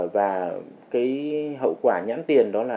và cái hậu quả nhãn tiền đó là